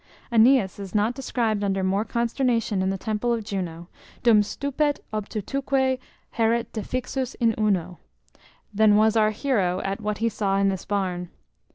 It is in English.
Aeneas is not described under more consternation in the temple of Juno, Dum stupet obtutuque haeret defixus in uno, than was our heroe at what he saw in this barn.